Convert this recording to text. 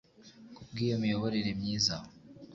ku bw’iyo miyoborere myiza